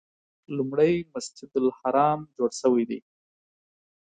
لومړی مسجد الحرام جوړ شوی دی.